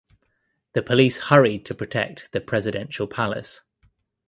The police hurried to protect the Presidential Palace.